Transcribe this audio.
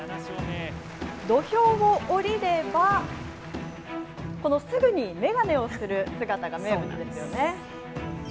土俵を下りれば、このすぐに眼鏡をする姿が名物ですよね。